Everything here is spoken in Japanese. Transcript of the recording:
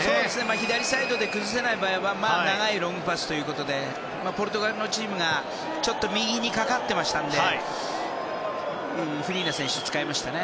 左サイドで崩せない場合は長いロングパスということでポルトガルのチームがちょっと右にかかっていましたのでフリーな選手を使いましたね。